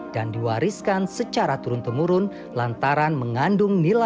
dan diwariskan secara turun temurun lantaran mengandung nilai